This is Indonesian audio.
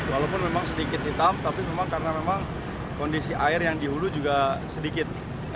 walaupun memang sedikit hitam tapi memang karena memang kondisi air yang di hulu juga sedikit